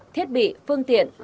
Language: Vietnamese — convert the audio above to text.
thiết bị phương tiện